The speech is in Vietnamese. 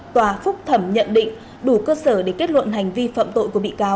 tòa phúc thẩm nhận định đủ cơ sở để kết luận hành vi phạm tội của bị cáo